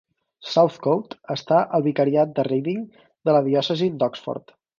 Southcote està al vicariat de Reading de la diòcesi d'Oxford.